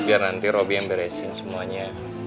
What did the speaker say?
biar nanti roby yang beresin semuanya